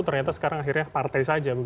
ternyata sekarang akhirnya partai saja